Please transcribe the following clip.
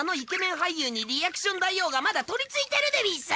俳優にリアクション大王がまだとりついてるでうぃす！